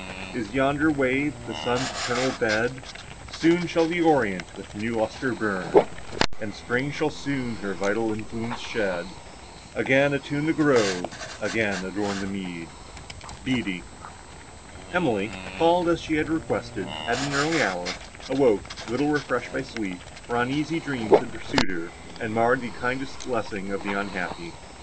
Is yonder wave the sun's eternal bed?— Soon shall the orient with new lustre burn, And Spring shall soon her vital influence shed, Again attune the grove, again adorn the mead! BEATTIE Emily, called, as she had requested, at an early hour, awoke, little refreshed by sleep, for uneasy dreams had pursued her, and marred the kindest blessing of the unhappy.